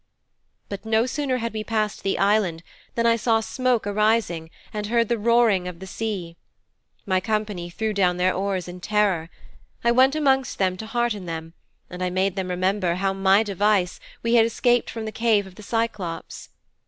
But no sooner had we passed the Island than I saw smoke arising and heard the roaring of the sea. My company threw down their oars in terror. I went amongst them to hearten them, and I made them remember how, by my device, we had escaped from the Cave of the Cyclops.